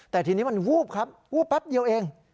แต่ทีนี้มันวูบครับวูบแป๊บเดียวเอง